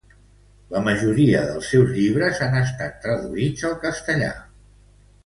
La majoria dels seus llibres han estat traduïts al castellà.